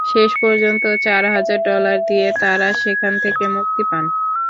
শেষ পর্যন্ত চার হাজার ডলার দিয়ে তাঁরা সেখান থেকে মুক্তি পান।